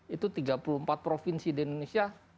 itu tiga puluh empat provinsi di indonesia